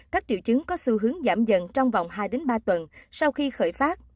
các triệu chứng có xu hướng giảm dần trong vòng hai ba tuần sau khi khởi phát